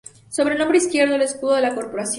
Sobre el hombro izquierdo el escudo de la corporación.